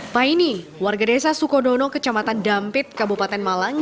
pak ini warga desa sukodono kecamatan dampit kabupaten malang